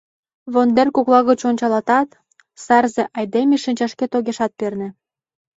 Вондер кокла гыч ончалатат, сарзе айдеме шинчашкет огешат перне.